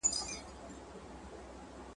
د وګړپوهني لوستونکي